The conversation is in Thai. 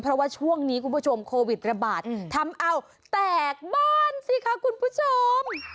เพราะว่าช่วงนี้คุณผู้ชมโควิดระบาดทำเอาแตกบ้านสิคะคุณผู้ชม